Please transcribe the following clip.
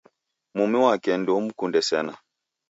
Mumi wake ndeumkunde sena